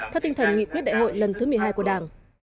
theo tinh thần nghị quyết đại hội lần thứ một mươi hai của đảng